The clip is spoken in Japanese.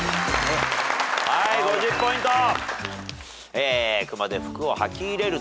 はい５０ポイント。